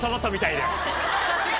さすが。